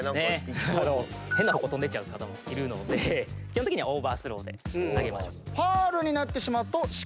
変な方向飛んでいっちゃう方もいるので基本的にはオーバースローで投げましょう。